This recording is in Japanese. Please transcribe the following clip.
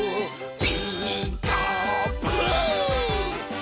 「ピーカーブ！」